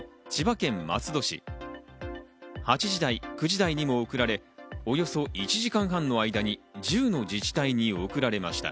さらに６分後に千葉県松戸市、８時台、９時台にも送られ、およそ１時間半の間に１０の自治体に送られました。